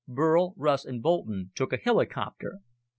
Burl, Russ, and Boulton took a helicopter.